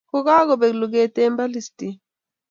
Kakobek luget eng' Palestine.